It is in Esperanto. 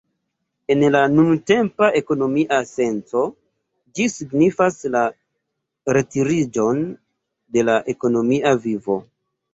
En la nuntempa ekonomia senco, ĝi signifas la retiriĝon de la ekonomia vivo.